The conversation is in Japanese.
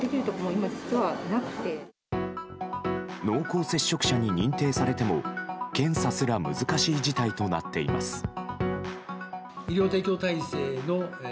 濃厚接触者に認定されても検査すら難しい事態となっています。